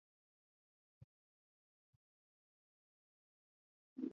Wanafunzi wana toka mchezo saha ine ya mchana